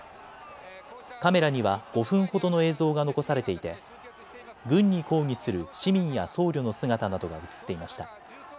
カメラには５分ほどの映像が残されていて軍に抗議する市民や僧侶の姿などが映っていました。